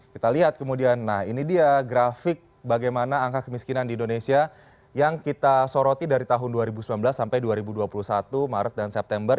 kita lihat kemudian nah ini dia grafik bagaimana angka kemiskinan di indonesia yang kita soroti dari tahun dua ribu sembilan belas sampai dua ribu dua puluh satu maret dan september